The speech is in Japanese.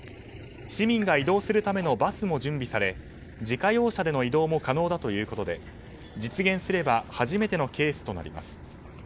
市民が移動するためのバスも準備され自家用車での移動も可能だということで実現すれば初めてのケースとなります。